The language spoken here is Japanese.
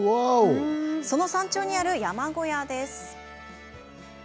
その山頂にある山小屋です。